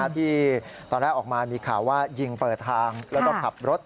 ที่ตอนแรกออกมามีข่าวว่ายิงเปิดทางแล้วก็ขับรถ